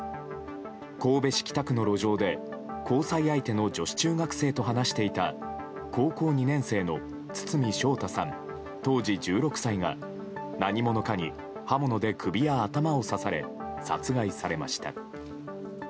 神戸市北区の路上で交際相手の女子中学生と話していた高校２年生の堤将太さん、当時１６歳が何者かに刃物で首や頭を刺され殺害されました。